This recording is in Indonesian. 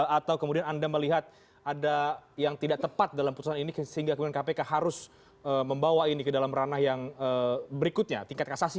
atau kemudian anda melihat ada yang tidak tepat dalam putusan ini sehingga kemudian kpk harus membawa ini ke dalam ranah yang berikutnya tingkat kasasi